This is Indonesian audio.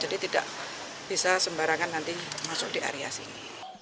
jadi tidak bisa sembarangan nanti masuk di area sini